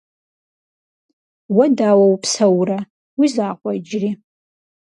Уэ дауэ упсэурэ? Уи закъуэ иджыри?